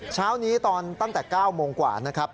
เช้านี้ตอนตั้งแต่๙โมงกว่านะครับ